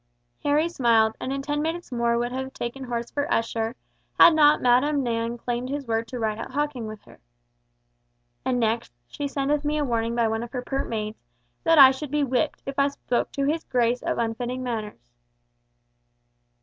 Harry smiled, and in ten minutes more would have taken horse for Esher, had not Madam Nan claimed his word to ride out hawking with her. And next, she sendeth me a warning by one of her pert maids, that I should be whipped, if I spoke to his Grace of unfitting matters.